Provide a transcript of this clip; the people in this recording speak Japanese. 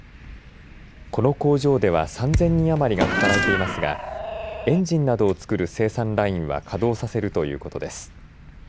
この工場では３０００人あまりが働いていますがエンジンなどを作る生産ラインは稼働させるということです。